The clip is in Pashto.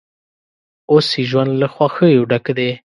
اوس یې ژوند له خوښیو ډک دی.